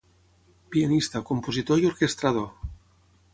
Pianista, compositor i orquestrador.